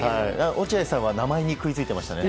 落合さんは名前に食いついていましたね。